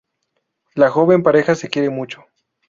La joven pareja se quiere mucho.